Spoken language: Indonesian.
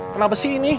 kenapa sih ini